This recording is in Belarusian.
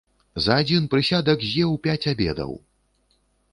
І за адзін прысядак з'еў пяць абедаў.